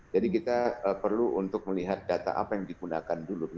jadi kita perlu untuk melihat data apa yang digunakan dulu